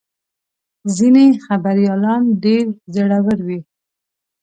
ځینې خبریالان ډېر زړور وي.